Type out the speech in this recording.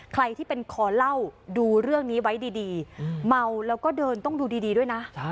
ใครที่เป็นคอเล่าดูเรื่องนี้ไว้ดีเมาแล้วก็เดินต้องดูดีด้วยนะ